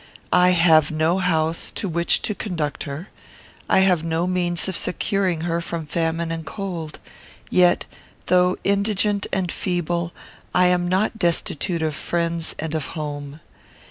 I have no house to which to conduct her. I have no means of securing her from famine and cold. "Yet, though indigent and feeble, I am not destitute of friends and of home.